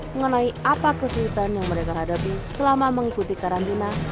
mengenai apa kesulitan yang mereka hadapi selama mengikuti karantina